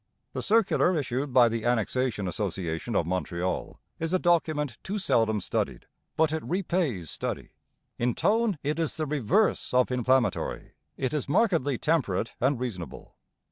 The circular issued by the Annexation Association of Montreal is a document too seldom studied, but it repays study. In tone it is the reverse of inflammatory; it is markedly temperate and reasonable.